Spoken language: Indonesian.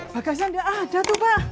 bagasnya gak ada tuh pak